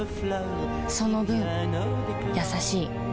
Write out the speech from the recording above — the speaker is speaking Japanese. その分優しい